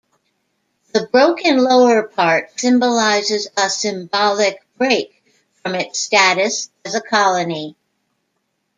The broken lower part symbolises a symbolic break from its status as a colony.